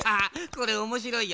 これおもしろいよ。